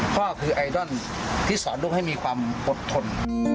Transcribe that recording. พ่อคือไอดอลที่สอนลูกให้มีความอดทน